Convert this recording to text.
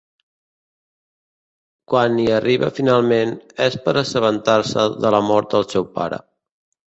Quan hi arriba finalment, és per assabentar-se de la mort del seu pare.